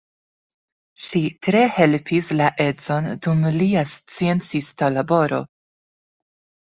Ŝi tre helpis la edzon dum lia sciencista laboro.